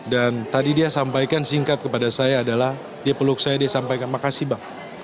dan tadi dia sampaikan singkat kepada saya adalah dia peluk saya dia sampaikan makasih bang